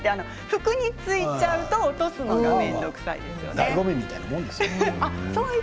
服についてしまうと落とすのが面倒くさいですよね。